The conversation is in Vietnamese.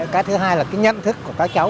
cái thứ hai là cái nhận thức của các cháu